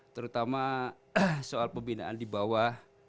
terutama soal pembinaan di bawah